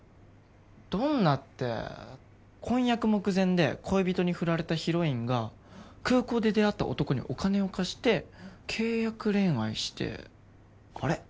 どんなって婚約目前で恋人にふられたヒロインが空港で出会った男にお金を貸して契約恋愛してあれ？